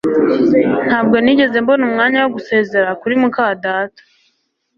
Ntabwo nigeze mbona umwanya wo gusezera kuri muka data